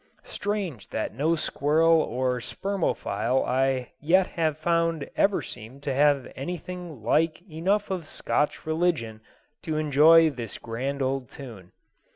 Strange that no squirrel or spermophile I yet have found ever seemed to have anything like enough of Scotch religion to enjoy this grand old tune.